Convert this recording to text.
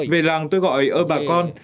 về làng tôi gọi ơ bà con